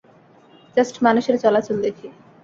Just মানুষের চলাচল দেখি।